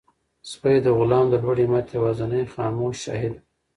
سپی د غلام د لوړ همت یوازینی خاموش شاهد و.